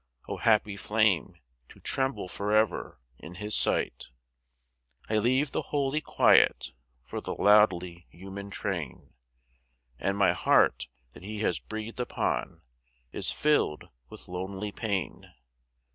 O happy flame! to tremble forever in His sight! I leave the holy quiet for the loudly human train, And my heart that He has breathed upon is filled with lonely pain.